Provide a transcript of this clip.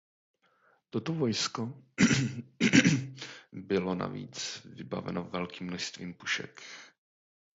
Toto vojsko bylo navíc vybaveno velkým množstvím pušek.